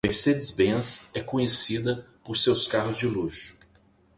Mercedes-Benz é conhecida por seus carros de luxo.